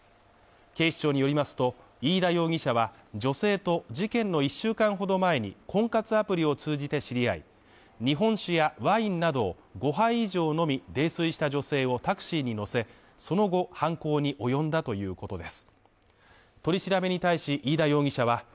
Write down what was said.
警視庁によりますと、飯田容疑者は女性と、事件の１週間ほど前に、婚活アプリを通じて知り合い、日本酒やワインなどを５杯以上飲み泥酔した女性をタクシーに乗せその後、犯行に及んだということです。